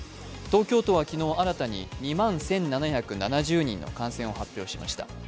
東京都は昨日、新たに２万１７７０人の感染を発表しました。